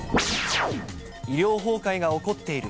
医療崩壊が起こっている。